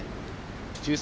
１３